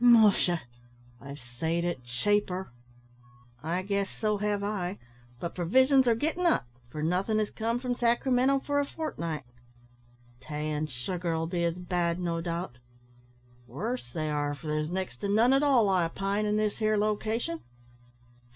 "Musha! I've seed it chaiper." "I guess so have I; but provisions are gittin' up, for nothin' has come from Sacramento for a fortnight." "Tay an' sugar'll be as bad, no doubt!" "Wuss, they are; for there's next to none at all, I opine, in this here location."